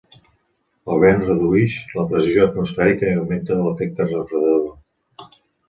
El vent reduïx la pressió atmosfèrica i augmenta l'efecte refredador.